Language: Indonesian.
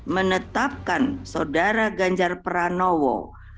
menetapkan saudara ganjar pranowo